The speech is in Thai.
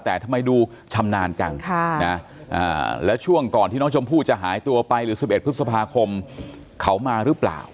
แต่ทำไมดูชำนาญจังแล้วช่วงก่อนที่น้องชมพู่จะหายตัวไปหรือ๑๑พฤษภาคมเขามาหรือเปล่า